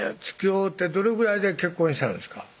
つきおうてどれぐらいで結婚したんですか？